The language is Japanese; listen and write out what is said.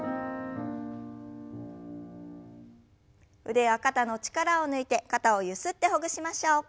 腕や肩の力を抜いて肩をゆすってほぐしましょう。